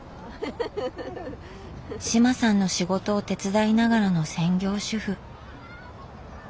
志麻さんの仕事を手伝いながらの専業主夫。